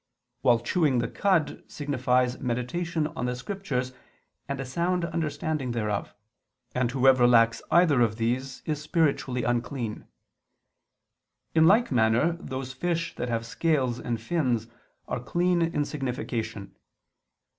While chewing the cud signifies meditation on the Scriptures and a sound understanding thereof; and whoever lacks either of these is spiritually unclean. In like manner those fish that have scales and fins are clean in signification.